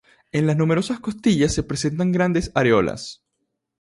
En las numerosas costillas se presentan grandes areolas.